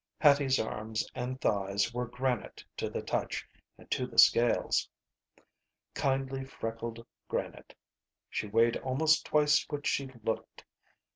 Hattie's arms and thighs were granite to the touch and to the scales. Kindly freckled granite. She weighed almost twice what she looked.